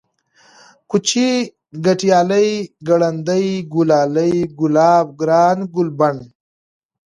كوچى ، گټيالی ، گړندی ، گلالی ، گلاب ، گران ، گلبڼ